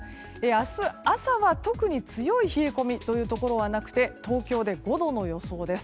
明日朝は特に強い冷え込みというところはなくて東京で５度の予想です。